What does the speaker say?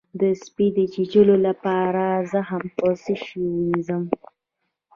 د سپي د چیچلو لپاره زخم په څه شی ووینځم؟